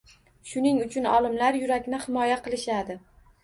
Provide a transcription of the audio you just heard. Shuning uchun olimlar yurakni himoya qilishadi